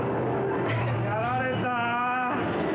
◆やられた。